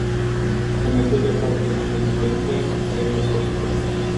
O metodă foarte inteligentă, trebuie s-o spun.